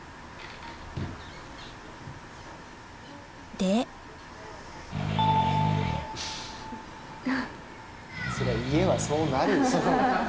でそれは家はそうなるよ。